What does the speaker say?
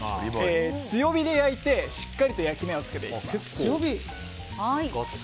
強火で焼いてしっかりと焼き目をつけていきます。